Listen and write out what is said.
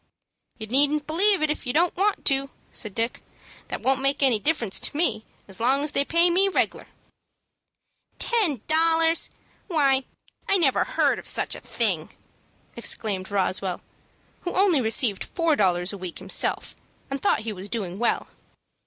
"You needn't believe it if you don't want to," said Dick. "That won't make any difference to me as long as they pay me reg'lar." "Ten dollars! Why, I never heard of such a thing," exclaimed Roswell, who only received four dollars a week himself, and thought he was doing well.